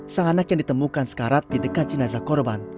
sang anak yang ditemukan sekarat di dekat jenazah korban